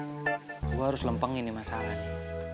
gue harus lempengin nih masalahnya